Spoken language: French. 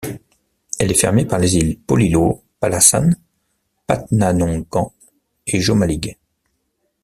Elle est fermée par les îles Pollilo, Palasan, Patnanongan et Jomalig.